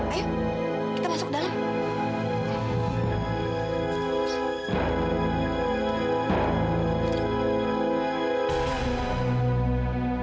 ayo kita masuk ke dalam